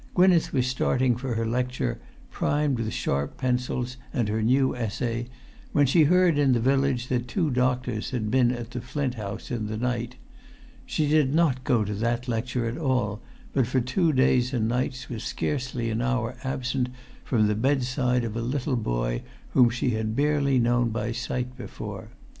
Gwynneth was starting for her lecture, primed with sharp pencils and her new essay, when she heard in the village that two doctors had been at the Flint House in the night. She did not go to that lecture at all, but for two days and nights was scarcely an hour absent from the bedside of a little boy whom she had barely known by sight before.